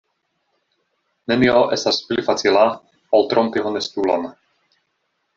Nenio estas pli facila, ol trompi honestulon.